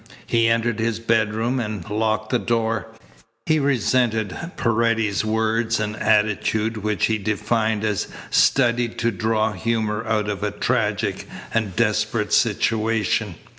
He entered his bedroom and locked the door. He resented Paredes's words and attitude which he defined as studied to draw humour out of a tragic and desperate situation.